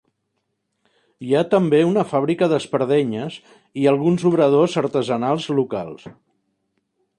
Hi ha també una fàbrica d'espardenyes i alguns obradors artesanals locals.